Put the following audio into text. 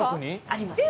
あります。